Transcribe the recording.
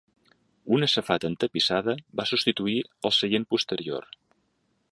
Una safata entapissada va substituir el seient posterior.